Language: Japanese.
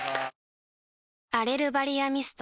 アレルバリアミスト